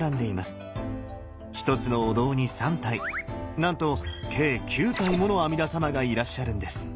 一つのお堂に３体なんと計９体もの阿弥陀様がいらっしゃるんです！